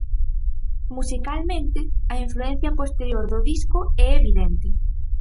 Musicalmente, a influencia posterior do disco é evidente.